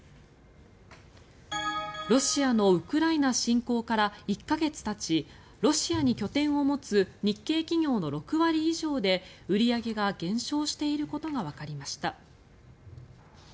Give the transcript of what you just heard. ロシアのウクライナ侵攻から１か月たちロシアに拠点を持つ日系企業の６割以上で売り上げが減少していることがわかりました。